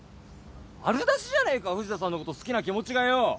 丸出しじゃねえか藤田さんのこと好きな気持ちがよ。